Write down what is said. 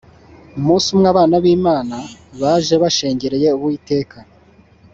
Umunsi umwe abana b’Imana baje bashengereye Uwiteka